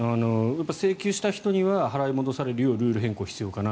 請求した人には払い戻されるようルール変更する必要があると。